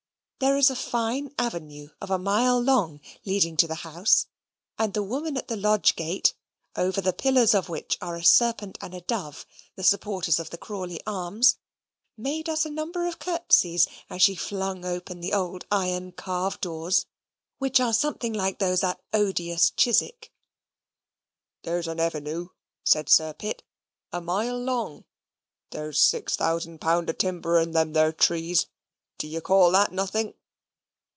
There is a fine avenue of a mile long leading to the house, and the woman at the lodge gate (over the pillars of which are a serpent and a dove, the supporters of the Crawley arms), made us a number of curtsies as she flung open the old iron carved doors, which are something like those at odious Chiswick. "There's an avenue," said Sir Pitt, "a mile long. There's six thousand pound of timber in them there trees. Do you call that nothing?"